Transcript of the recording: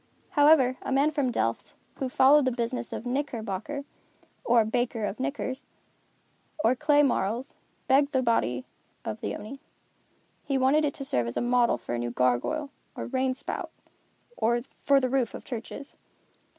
However, a man from Delft, who followed the business of a knickerbocker, or baker of knickers, or clay marles, begged the body of the Oni. He wanted it to serve as a model for a new gargoyle, or rain spout, for the roof of churches.